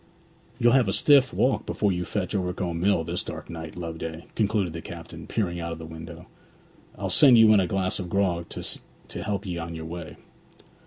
'You'll have a stiff walk before you fetch Overcombe Mill this dark night, Loveday,' concluded the captain, peering out of the window. 'I'll send you in a glass of grog to help 'ee on your way.'